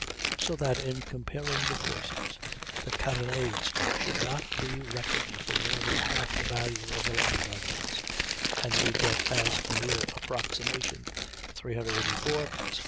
So that in comparing the forces, the carronades should not be reckoned for more than half the value of the long guns, and we get, as a mere approximation, 384 + 48 = 432, against 168 + 255 = 423.